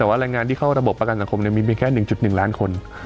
แต่ว่าแรงงานที่เข้าระบบประกันสังคมมีเพียงแค่๑๑ล้านคน